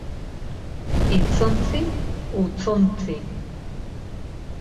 Hitzontzi, hutsontzi.